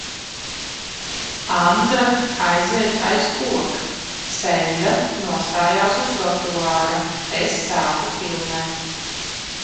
Andra aiziet aiz koka. Senda nostājas uz trotuāra. Es sāku filmēt.